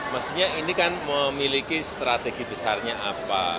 mestinya ini kan memiliki strategi besarnya apa